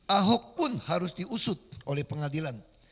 ahok pun harus diusut oleh pengadilan